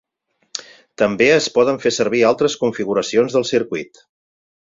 També es poden fer servir altres configuracions del circuit.